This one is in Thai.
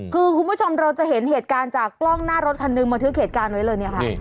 คือคุณผู้ชมเราจะเห็นเหตุการณ์จากกล้องหน้ารถคันหนึ่งบันทึกเหตุการณ์ไว้เลยเนี่ยค่ะ